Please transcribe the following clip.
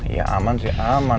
iya aman sih aman